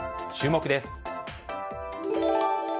注目です。